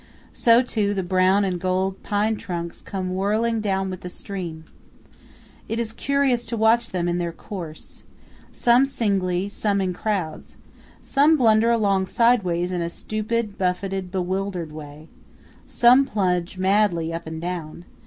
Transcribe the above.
So, too, the brown and golden pine trunks come whirling down with the stream. It is curious to watch them in their course. Some come singly, some in crowds. Some blunder along sideways in a stupid, buffeted, bewildered way. Some plunge madly up and down.